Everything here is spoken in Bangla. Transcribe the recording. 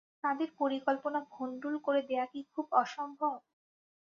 তাদের পরিকল্পনা ভণ্ডুল করে দেয়া কি খুব অসম্ভব?